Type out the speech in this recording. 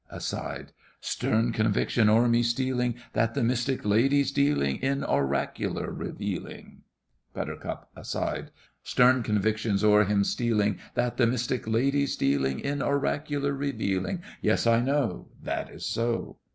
(Aside.) Stern conviction's o'er me stealing, That the mystic lady's dealing In oracular revealing. BUT. (aside).Stern conviction's o'er him stealing, That the mystic lady's dealing In oracular revealing. Yes, I know— That is so!